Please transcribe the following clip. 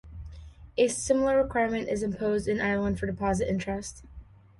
A similar requirement is imposed in Ireland for deposit interest.